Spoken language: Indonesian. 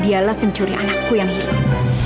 dialah pencuri anakku yang mirip